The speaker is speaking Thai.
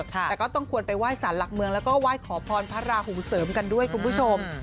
แต่ก็ต้องควรไปไห้สารหลักเมืองแล้วก็ไหว้ขอพรพระราหูเสริมกันด้วยคุณผู้ชม